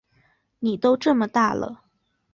妳都这么大了